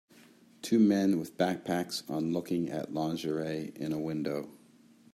Two men with backpacks on looking at lingerie in a window.